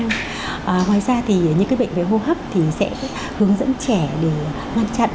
ngoài ra thì những bệnh về hô hấp thì sẽ hướng dẫn trẻ để ngăn chặn